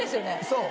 そう。